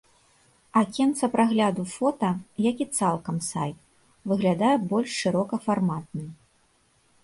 Акенца прагляду фота, як і цалкам сайт, выглядае больш шырокафарматным.